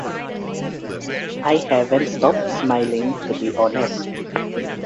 I haven't stopped smiling to be honest.